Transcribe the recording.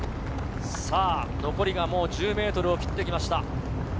残り１０ｍを切ってきました。